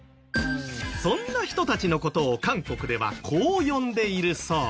そんな人たちの事を韓国ではこう呼んでいるそう。